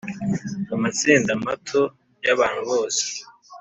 Amatsinda mato y abantu bose